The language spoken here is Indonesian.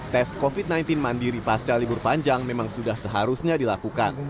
tes covid sembilan belas mandiri pasca libur panjang memang sudah seharusnya dilakukan